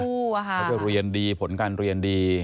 แล้วก็เรียนดีผลการเรียนดี